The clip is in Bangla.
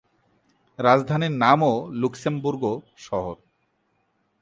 রাজধানীর নামও লুক্সেমবুর্গ শহর।